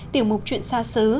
tiểu mục chuyện xa xứ